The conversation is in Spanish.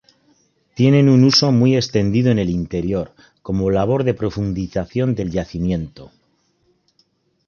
Tienen un uso muy extendido en el interior, como labor de profundización del yacimiento.